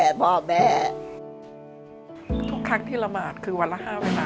ทุกครั้งที่ระมาดคือวันละ๕เวลา